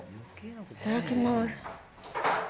いただきます。